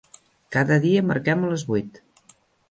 Cada dia marquem a les vuit.